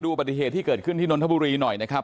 อุบัติเหตุที่เกิดขึ้นที่นนทบุรีหน่อยนะครับ